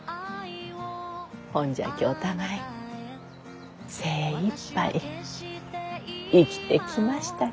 ほんじゃきお互い精いっぱい生きてきましたき。